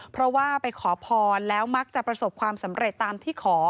เพราะว่าไปขอพรแล้วมักจะประสบความสำเร็จตามที่ขอ